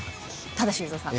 ただ、修造さん